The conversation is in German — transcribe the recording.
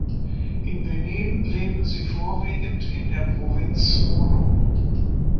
Im Benin leben sie vorwiegend in der Province Mono.